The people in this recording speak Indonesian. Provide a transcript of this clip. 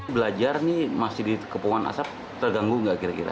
belajar nih masih di kepungan asap terganggu nggak kira kira